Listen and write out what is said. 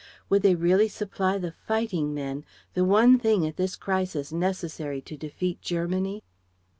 Would they really supply the fighting men, the one thing at this crisis necessary to defeat Germany?